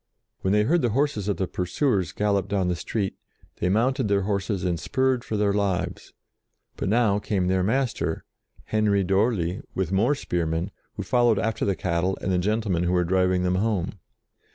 When they heard the horses of the pursuers gallop down the street, they mounted their horses and spurred for their lives; but now came their master, Henry d'Orly, with more spear men, who followed after the cattle and the gentlemen who were driving them home.